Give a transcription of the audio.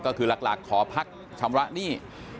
ก็คือหลักขอพักชำระหนี้